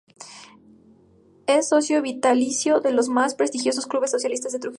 Es socio vitalicio de los más prestigiosos clubes sociales de Trujillo.